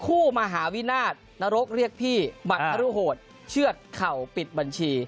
มหาวินาศนรกเรียกพี่หมัดฮรุโหดเชื่อดเข่าปิดบัญชี